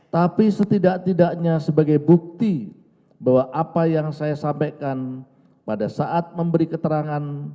tapi setidak tidaknya sebagai bukti bahwa apa yang saya sampaikan pada saat memberi keterangan